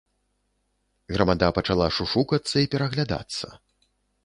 Грамада пачала шушукацца і пераглядацца.